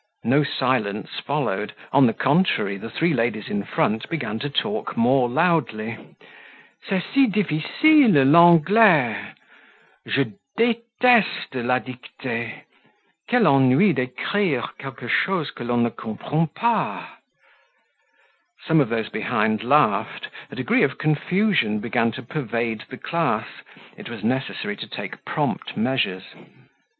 No silence followed on the contrary, the three ladies in front began to talk more loudly. "C'est si difficile, l'Anglais!" "Je deteste la dictee." "Quel ennui d'ecrire quelquechose que l'on ne comprend pas!" Some of those behind laughed: a degree of confusion began to pervade the class; it was necessary to take prompt measures.